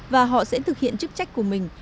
và họ sẽ thực hiện chức trách của mình